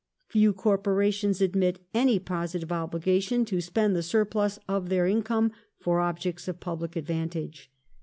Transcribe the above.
Few Corporations admit any positive obligation to spend the surplus of their income for objects of public advantage.